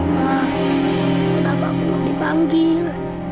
ma kenapa aku mau dipanggil